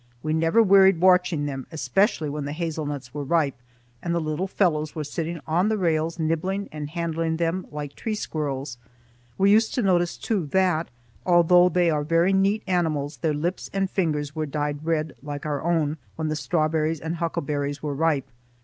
We never wearied watching them, especially when the hazel nuts were ripe and the little fellows were sitting on the rails nibbling and handling them like tree squirrels. We used to notice too that, although they are very neat animals, their lips and fingers were dyed red like our own, when the strawberries and huckleberries were ripe.